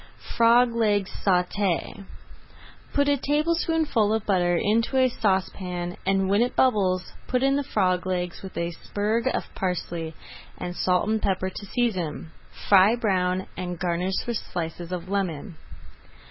FROG LEGS SAUTÉ Put a tablespoonful of butter into a saucepan, and when it bubbles put in the frog legs with a sprig of parsley, and salt and pepper to season. Fry brown, and garnish with slices of lemon.